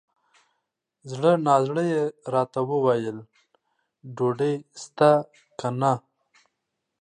زړه نا زړه یې راته وویل ! ډوډۍ سته که نه؟